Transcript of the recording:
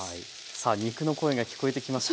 さあ肉の声が聞こえてきました？